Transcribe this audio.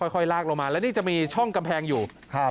ค่อยลากลงมาแล้วนี่จะมีช่องกำแพงอยู่ครับ